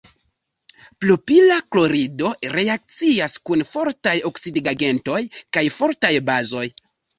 Propila klorido reakcias kun fortaj oksidigagentoj kaj fortaj bazoj.